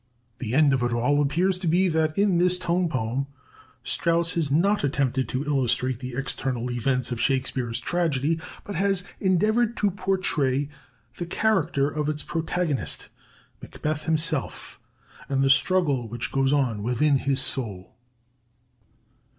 The end of it all appears to be that in this tone poem Strauss has not attempted to illustrate the external events of Shakespeare's tragedy, but has endeavored to portray the character of its protagonist, Macbeth himself, and the struggle which goes on within his soul.